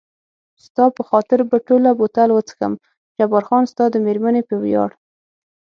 ستا په خاطر به ټوله بوتل وڅښم، جبار خان ستا د مېرمنې په ویاړ.